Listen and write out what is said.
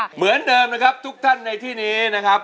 เหมือนเดิมนะครับทุกท่านในที่นี้นะครับ